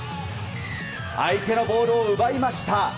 相手のボールを奪いました。